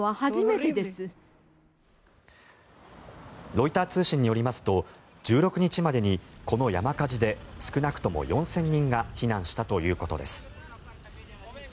ロイター通信によりますと１６日までにこの山火事で少なくとも４０００人が避難したということです。